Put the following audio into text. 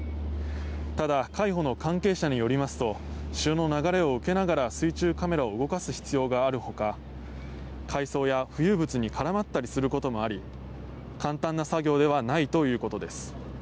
ただ、海保の関係者によりますと潮の流れを受けながら水中カメラを動かす必要があるほか海藻や浮遊物に絡まったりすることもあり簡単な作業ではないということです。